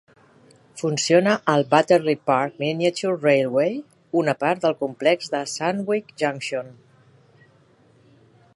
Funciona al Butterley Park Miniature Railway, una part del complex de Swanwick Junction.